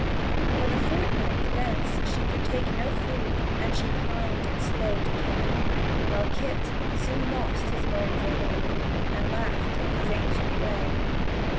But a fortnight thence she could take no food, And she pined in a slow decay; While Kit soon lost his mournful mood And laughed in his ancient way.